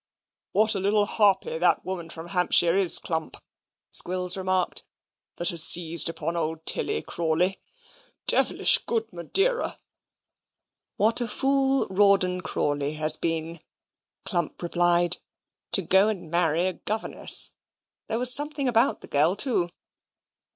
"What a little harpy that woman from Hampshire is, Clump," Squills remarked, "that has seized upon old Tilly Crawley. Devilish good Madeira." "What a fool Rawdon Crawley has been," Clump replied, "to go and marry a governess! There was something about the girl, too."